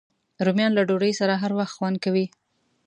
رومیان له ډوډۍ سره هر وخت خوند کوي